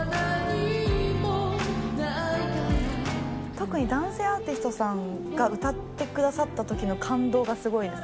特に男性アーティストさんが歌ってくださったときの感動がすごいです。